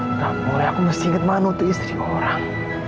astagfirullah aku masih inget mano tuh istri orang